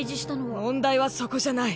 問題はそこじゃない。